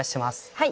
はい。